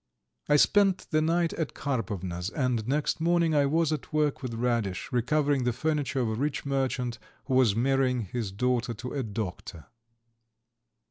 ..." I spent the night at Karpovna's, and next morning I was at work with Radish, re covering the furniture of a rich merchant who was marrying his daughter to a doctor.